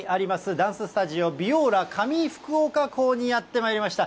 ダンススタジオビオーラ上福岡校にやってまいりました。